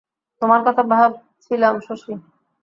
তোমার কথা ভাবছিলাম শশী।